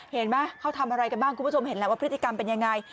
เห็นไหมเขาทำอะไรกันบ้างคุณผู้ชมเห็นแล้วว่าพฤติกรรมเป็นยังไง